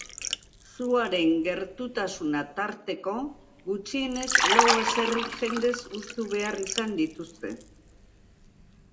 Suaren gertutasuna tarteko, gutxienez lau baserri jendez hustu behar izan dituzte.